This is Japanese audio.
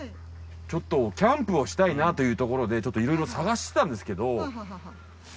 ちょっとキャンプをしたいなというところでいろいろ探してたんですけど。